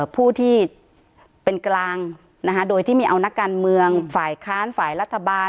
ผู้ที่เป็นกลางโดยที่ไม่เอานักการเมืองฝ่ายค้านฝ่ายรัฐบาล